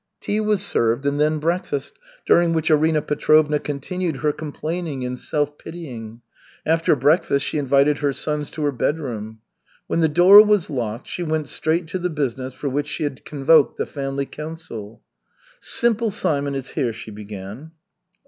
Tea was served and then breakfast, during which Arina Petrovna continued her complaining and self pitying. After breakfast she invited her sons to her bedroom. When the door was locked, she went straight to the business for which she had convoked the family council. "Simple Simon is here," she began.